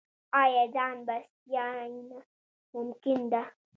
آیا ځان بسیاینه ممکن ده؟